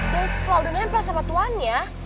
dan setelah udah nampel sama tuannya